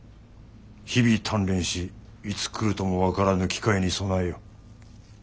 日々鍛錬しいつ来るとも分からぬ機会に備えよ。